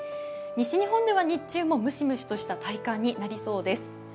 西日本では日中もムシムシとした体感になりそうです。